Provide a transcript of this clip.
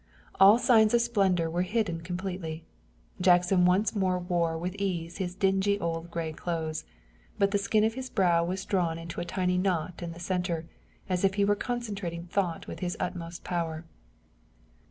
All signs of splendor were hidden completely. Jackson once more wore with ease his dingy old gray clothes, but the skin of his brow was drawn into a tiny knot in the center, as if he were concentrating thought with his utmost power.